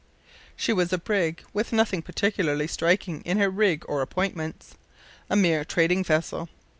She was a brig, with nothing particularly striking in her rig or appointments a mere trading vessel.